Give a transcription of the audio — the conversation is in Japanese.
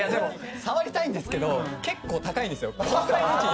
触りたいんですけど結構、高いんですよ。